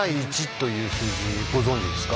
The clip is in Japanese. という数字ご存じですか？